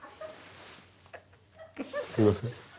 すいません。